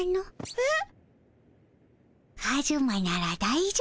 えっ？